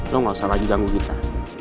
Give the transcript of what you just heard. lo gak usah lagi ganggu kita